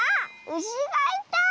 うしがいた！